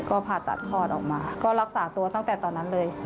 ก็ผ่าตัดคลอดออกมาก็รักษาตัวตั้งแต่ตอนนั้นเลย